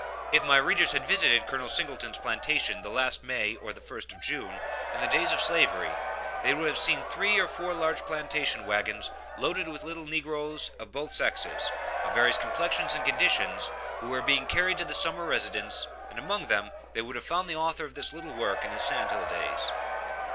If my readers had visited Col. Singleton's plantation the last of May or the first of June in the days of slavery, they would have seen three or four large plantation wagons loaded with little negroes of both sexes, of various complexions and conditions, who were being carried to this summer residence, and among them they would have found the author of this little work in his sand hill days.